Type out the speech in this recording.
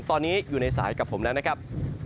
ตอนนี้อยู่ในสายกับผมแล้วนะครับ